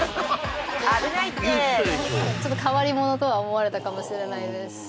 ちょっと変わり者とは思われたかもしれないです